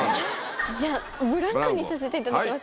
じゃブランコにさせていただきます。